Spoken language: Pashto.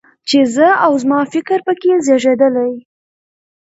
چې زه او زما فکر په کې زېږېدلی.